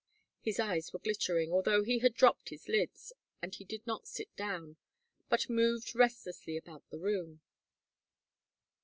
His eyes were glittering, although he had dropped his lids, and he did not sit down, but moved restlessly about the room.